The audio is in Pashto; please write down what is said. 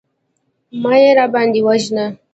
مه يې راباندې وژنه.